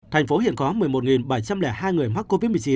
thành phố hiện có một mươi một bảy trăm linh hai người mắc covid một mươi chín